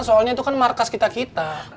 soalnya itu kan markas kita kita